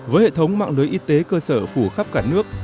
với hệ thống mạng lưới y tế cơ sở phủ khắp cả nước